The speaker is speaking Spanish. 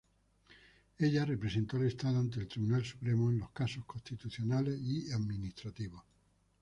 Ella representó al Estado ante el Tribunal Supremo en los casos constitucionales y administrativos.